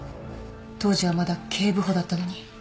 当時はまだ警部補だったのに。